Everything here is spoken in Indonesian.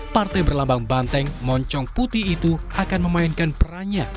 partai berlambang banteng moncong putih itu akan memainkan perannya